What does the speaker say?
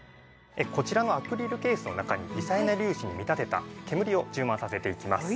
こちらのアクリルケースの中に微細な粒子に見立てた煙を充満させていきます。